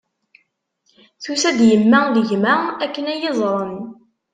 Tusa-d yemma d gma akken ad iyi-iẓren.